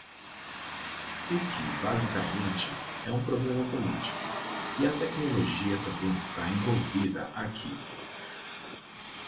O que, basicamente, é um problema político, e a tecnologia também está envolvida aqui.